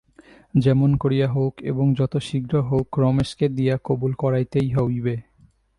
যেমন করিয়া হউক এবং যত শীঘ্র হউক, রমেশকে দিয়া কবুল করাইতেই হইবে।